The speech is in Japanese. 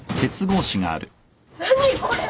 何これ！？